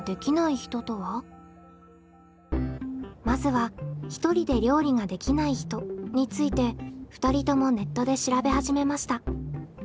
まずはひとりで料理ができない人について２人ともネットで調べ始めました。